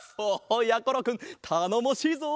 おおやころくんたのもしいぞ。